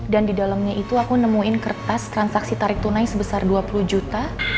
dan di dalamnya itu aku nemuin kertas transaksi tarik tunai sebesar dua puluh juta